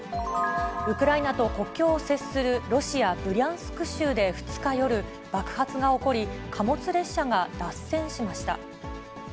ウクライナと国境を接するロシア・ブリャンスク州で２日夜、爆発が起こり、貨物列車が脱線しました。